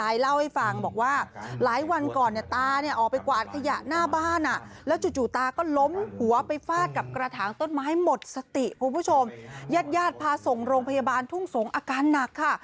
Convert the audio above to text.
ญาติยาติพาส่งโรงพยาบาลทุ่งสงฆ์อาการหนักค่ะ